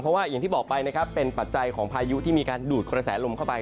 เพราะว่าอย่างที่บอกไปนะครับเป็นปัจจัยของพายุที่มีการดูดกระแสลมเข้าไป